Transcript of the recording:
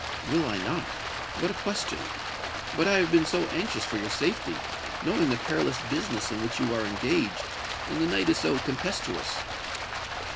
"Will I not? What a question! But I have been so anxious for your safety, knowing the perilous business in which you are engaged; and the night is so tempestuous."